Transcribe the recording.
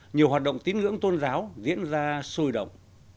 nhiều hoạt động tín ngưỡng tôn giáo diễn ra sôi động